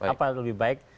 apa yang lebih baik